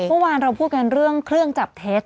เมื่อวานเราพูดกันเรื่องเครื่องจับเท็จ